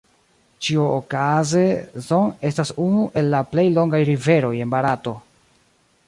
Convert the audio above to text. Ĉiuokaze Son estas unu el la plej longaj riveroj en Barato.